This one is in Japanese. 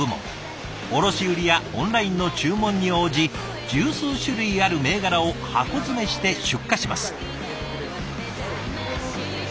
卸売りやオンラインの注文に応じ十数種類ある銘柄を箱詰めして出荷します。